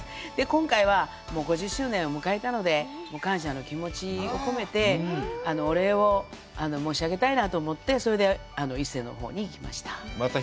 今回は、５０周年を迎えたので、感謝の気持ちを込めて、お礼を申し上げたいなと思って、それで、伊勢のほうに行きました。